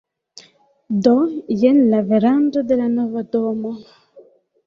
Do, jen la verando de la nova domo